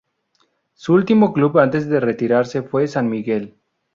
Su último club antes de retirarse fue San Miguel.